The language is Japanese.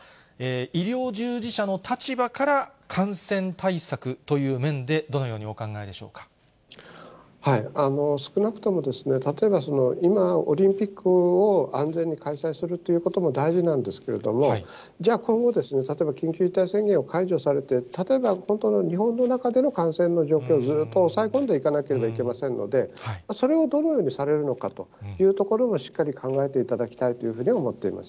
医療従事者の立場から、感染対策という面で、少なくとも、例えば今、オリンピックを安全に開催するということも大事なんですけれども、じゃあ、今後、例えば、緊急事態宣言が解除されて、例えば、日本の中での感染の状況をずっと抑え込んでいかなければいけませんので、それをどのようにされるのかというところもしっかり考えていただきたいというふうに思っています。